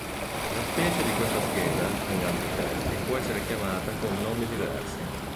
La specie di questa scheda, in altri testi, può essere chiamata con nomi diversi.